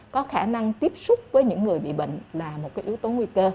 có khả năng tiếp xúc với những người bị bệnh là một yếu tố nguy cơ